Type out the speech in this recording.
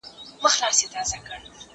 دا ليک له هغه ښه دی!